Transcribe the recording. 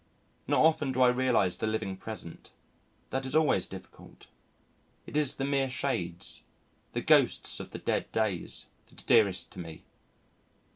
Not often do I realise the living present. That is always difficult. It is the mere shades the ghosts of the dead days that are dearest to me.